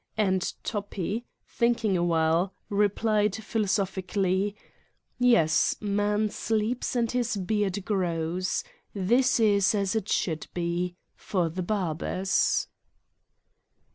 And Toppi, thinking a while, replied philosophically: "Yes, man sleeps and his beard grows. This is as it should be for the barbers